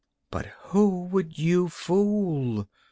But who would you fool?